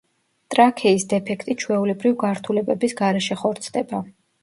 ტრაქეის დეფექტი ჩვეულებრივ გართულებების გარეშე ხორცდება.